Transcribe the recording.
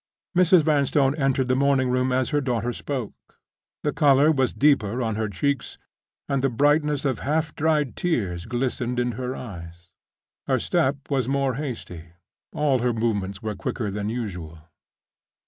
Mrs. Vanstone entered the morning room as her daughter spoke. The color was deeper on her cheeks, and the brightness of half dried tears glistened in her eyes; her step was more hasty, all her movements were quicker than usual.